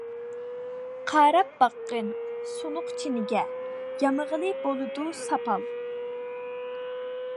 قاراپ باققىن سۇنۇق چىنىگە، يامىغىلى بولىدۇ ساپال.